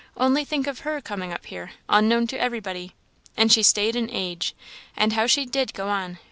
Only think of her coming up here unknown to every body! And she stayed an age, and how she did go on!